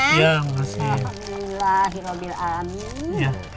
ini ada sembako buat mak